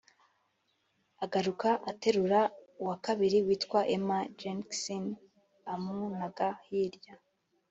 agaruka guterura uwa kabiri witwa Emma Jenkins amunaga hirya